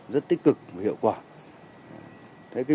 đây là một hoạt động rất tích cực và hiệu quả